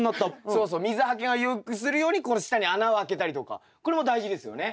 そうそう水はけをよくするようにこの下に穴をあけたりとかこれも大事ですよね？